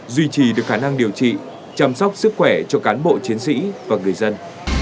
duy trì được khả năng điều trị chăm sóc sức khỏe cho cán bộ chiến sĩ và người dân